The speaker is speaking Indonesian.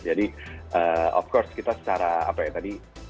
jadi of course kita secara apa ya tadi